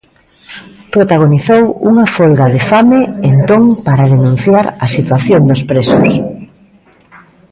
Protagonizou unha folga de fame entón para denunciar a situación dos presos.